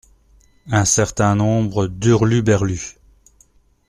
Un certains nombre d’hurluberlus.